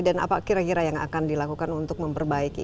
dan apa kira kira yang akan dilakukan untuk memperbaiki